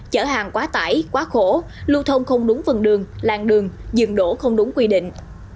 chở hàng quá tải quá khổ lưu thông không đúng phần đường làng đường dừng đổ không đúng quy định